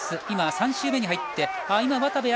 今、３周目に入ってます。